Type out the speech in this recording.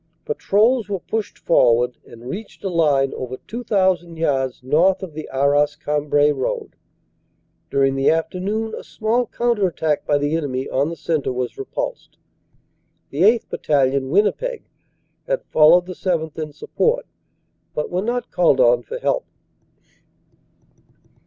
Patrols were pushed forward and reached a line over 2,000 yards north of the Arras Cambrai Road. During OPERATIONS: SEPT. 27 CONTINUED 235 the afternoon a small counter attack by the enemy on the cen tre was repulsed. The 8th. Battalion, Winnipeg, had followed the 7th. in support, but were not called on for help.